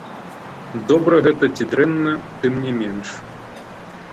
Добра гэта ці дрэнна, тым не менш.